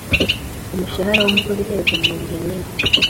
Umushahara w umukozi keretse mu bihe nkibi